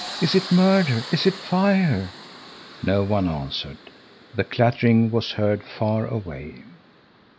Is it murder, is it fire?" No one answered. The clattering was heard far away.